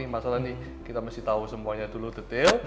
masalah nih kita mesti tahu semuanya dulu detail